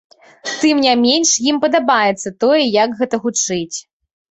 Тым не менш, ім падабаецца тое, як гэта гучыць.